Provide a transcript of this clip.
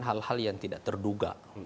hal hal yang tidak terduga